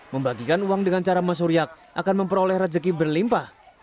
membagikan uang dengan cara mesuryak akan memperoleh rezeki berlimpah